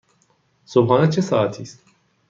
صبحانه چه ساعتی است؟